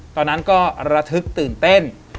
ตอนนั้นก็ระทึกตื่นเต้น